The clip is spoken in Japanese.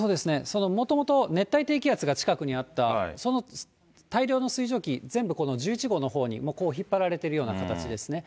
そのもともと、熱帯低気圧が近くにあった、その大量の水蒸気、全部、この１１号のほうに引っ張られているような形ですね。